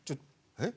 えっ？